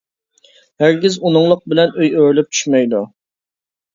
ھەرگىز ئۇنىڭلىق بىلەن ئۆي ئۆرۈلۈپ چۈشمەيدۇ.